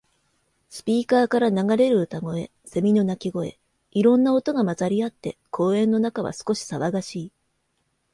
スピーカーから流れる歌声、セミの鳴き声。いろんな音が混ざり合って、公園の中は少し騒がしい。